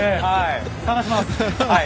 探します。